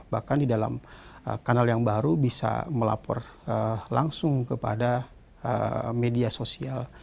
bahkan di dalam kanal yang baru bisa melapor langsung kepada media sosial